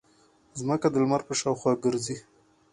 ځمکه د لمر په شاوخوا ګرځي.